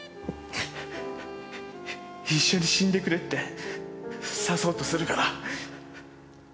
一緒に死んでくれって刺そうとするから。